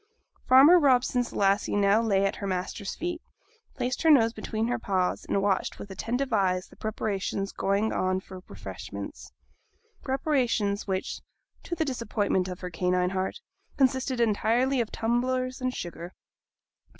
Farmer Robson's Lassie now lay down at her master's feet, placed her nose between her paws, and watched with attentive eyes the preparations going on for refreshments preparations which, to the disappointment of her canine heart, consisted entirely of tumblers and sugar.